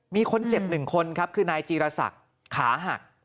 มีคนเจ็บ๑คนครับคือนายจีรศักดิ์ขาหัก